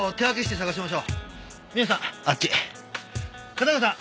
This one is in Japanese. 片岡さん